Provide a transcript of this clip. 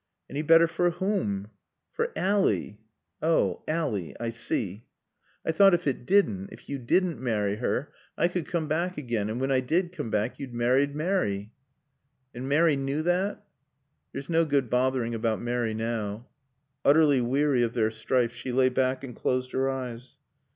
"Any better for whom?" "For Ally." "Oh Ally. I see." "I thought if it didn't if you didn't marry her I could come back again. And when I did come back you'd married Mary." "And Mary knew that?" "There's no good bothering about Mary now." Utterly weary of their strife, she lay back and closed her eyes.